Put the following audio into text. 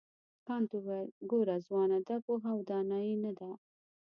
کانت وویل ګوره ځوانه دا پوهه او دانایي نه ده.